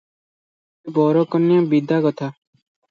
ଏବେ ବର କନ୍ୟା ବିଦା କଥା!